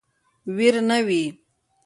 ویر نه وي.